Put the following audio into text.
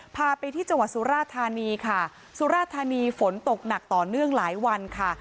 พาไปที่จังหวัดสุราธานีค่ะสุราธานีฝนตกหนักต่อเนื่องหลายวันค่ะ